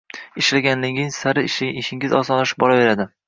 Ishlaganingiz sari ishingiz osonlashib boraveradi.